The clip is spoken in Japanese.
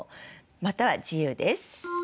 または自由です。